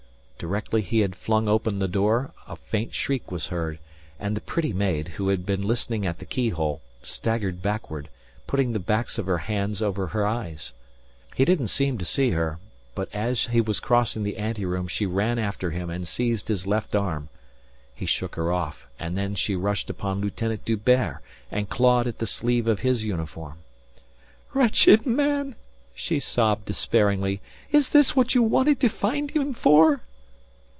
Directly he had flung open the door a faint shriek was heard, and the pretty maid, who had been listening at the keyhole, staggered backward, putting the backs of her hands over her eyes. He didn't seem to see her, but as he was crossing the anteroom she ran after him and seized his left arm. He shook her off and then she rushed upon Lieutenant D'Hubert and clawed at the sleeve of his uniform. "Wretched man," she sobbed despairingly. "Is this what you wanted to find him for?"